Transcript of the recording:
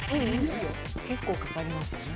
結構かかりますよね。